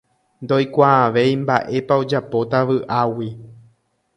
ndoikuaavéi mba'épa ojapóta vy'águi.